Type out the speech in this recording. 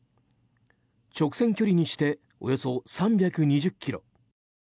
直線距離にしておよそ３２０ｋｍ。